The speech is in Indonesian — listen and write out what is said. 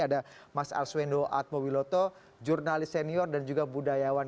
ada mas arswendo atmobiloto jurnalis senior dan juga budayawan